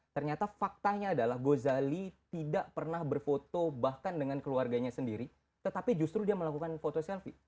ternyata faktanya adalah gozali tidak pernah berfoto bahkan dengan keluarganya sendiri tetapi justru dia melakukan foto selfie